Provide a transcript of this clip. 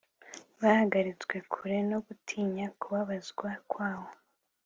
bahagaritswe kure no gutinya kubabazwa kwawo